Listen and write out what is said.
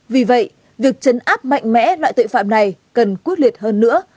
vì vậy việc chấn áp mạnh mẽ loại tội phạm này cần quyết liệt hơn nữa